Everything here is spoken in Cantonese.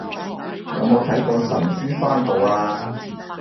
有冇睇過神之番號啊